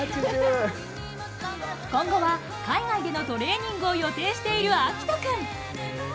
今後は海外でのトレーニングを予定している章人君。